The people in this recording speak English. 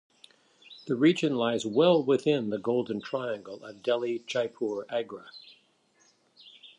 The region lies well within the golden triangle of Delhi-Jaipur-Agra.